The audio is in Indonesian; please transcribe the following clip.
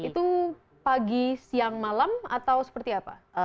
itu pagi siang malam atau seperti apa